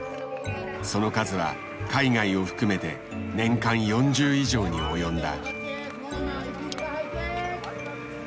その数は海外を含めて年間４０以上に及んだ。